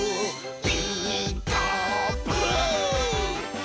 「ピーカーブ！」